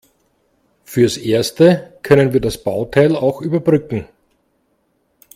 Fürs Erste können wir das Bauteil auch überbrücken.